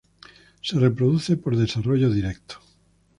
Se reproduce por desarrollo directo.